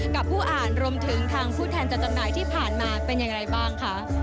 กับผู้อ่านรวมถึงทางผู้แทนจัดจำหน่ายที่ผ่านมาเป็นอย่างไรบ้างคะ